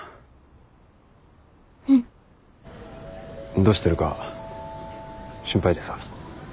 どうしてるか心配でさ。